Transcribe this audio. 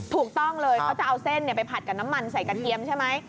ถูกต้องเลยเขาจะเอาเส้นไปผัดกับน้ำมันใส่กระเทียมใช่ไหม